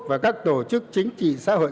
và các tổ chức chính trị xã hội